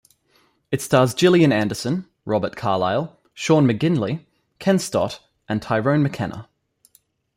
It stars Gillian Anderson, Robert Carlyle, Sean McGinley, Ken Stott and Tyrone McKenna.